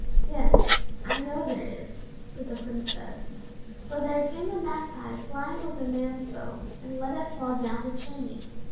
"Yes, I know there is," said the Princess, "for there came a magpie flying with a man's bone, and let it fall down the chimney.